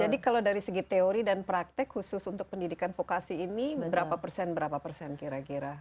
jadi kalau dari segi teori dan praktek khusus untuk pendidikan vokasi ini berapa persen berapa persen kira kira